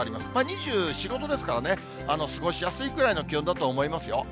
２４、５度ですからかね、過ごしやすいくらいの気温だと思いますよ。